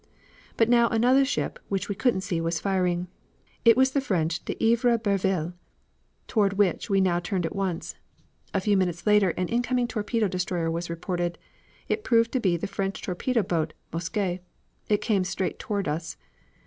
"But now another ship which we couldn't see was firing. That was the French D'Ivrebreville, toward which we now turned at once. A few minutes later an incoming torpedo destroyer was reported. It proved to be the French torpedo boat Mousquet. It came straight toward us.